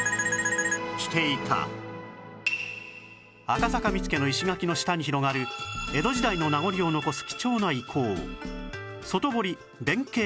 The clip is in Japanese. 赤坂見附の石垣の下に広がる江戸時代の名残を残す貴重な遺構